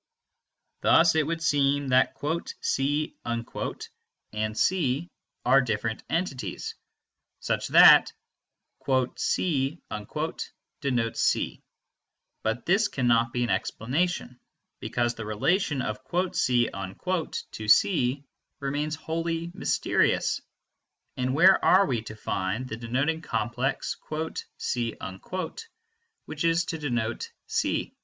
Thus it would seem that "C" and C are different entities, such that "C" denotes C; but this cannot be an explanation, because the relation of "C" to C remains wholly mysterious; and where are we to find the denoting complex "C" which is to denote C?